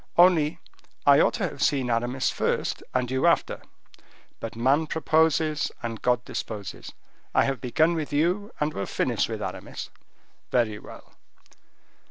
"Only, I ought to have seen Aramis first, and you after. But man proposes, and God disposes. I have begun with you, and will finish with Aramis." "Very well!"